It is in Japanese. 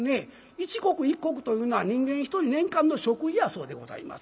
一石一石というのは人間１人年間の食費やそうでございますね。